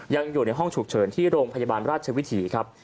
อยู่ในห้องฉุกเฉินที่โรงพยาบาลราชวิถีครับ